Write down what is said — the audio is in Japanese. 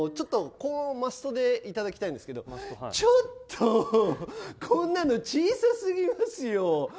この言葉をマストでいただきたいんですけどちょっとこんなの小さすぎますよ。